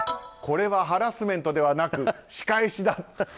これはハラスメントではなく仕返しだと。